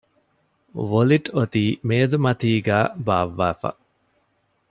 ވޮލިޓް އޮތީ މޭޒުމަތީގައި ބާއްވައިފަ